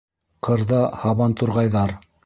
Ҡырҙа һабантурғайҙар.